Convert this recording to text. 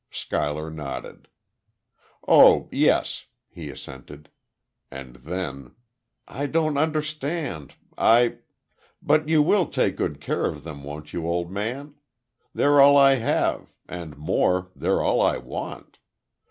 Schuyler nodded. "Oh, yes," he assented. And then; "I don't understand. I but you will take good care of them, won't you, old man? They're all I have; and more, they're all I want.